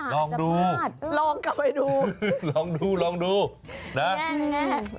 ลองดูลองกลับไปดูลองดูลองดูนะ